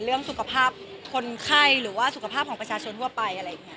เรื่องสุขภาพคนไข้หรือว่าสุขภาพของประชาชนทั่วไปอะไรอย่างนี้